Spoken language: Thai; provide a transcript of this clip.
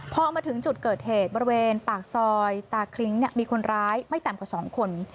พอมาถึงจุดเกิดเหตุบริเวณปากซอยตาคลิ้งมีคนร้ายไม่ต่ำกว่า๒คน